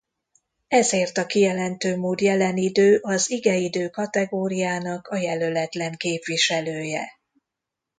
Ezért a kijelentő mód jelen idő az igeidő kategóriának a jelöletlen képviselője.